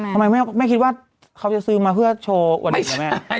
ทำไมแม่คิดว่าเขาจะซื้อมาเพื่อโชว์วันนี้เหรอแม่